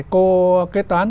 cô kế toán